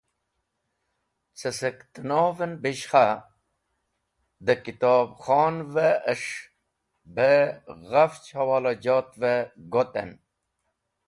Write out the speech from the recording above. Cẽ sẽk tẽnovẽn bẽshkha dẽ kẽtub khonavẽs̃h bẽ ghafch hẽwolajotvẽ gotẽn.